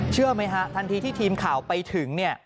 เชื่อไหมทันทีที่ทีมข่าวไปถึง